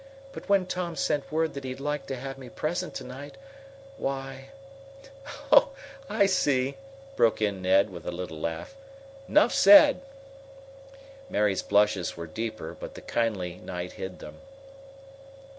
But when Tom sent word that he'd like to have me present to night, why " "Oh, I see!" broke in Ned, with a little laugh. "'Nough said!" Mary's blushes were deeper, but the kindly night hid them.